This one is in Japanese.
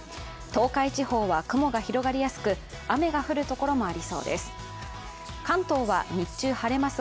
東海地方は雲が広がりやすく、雨が降る所もありそうです。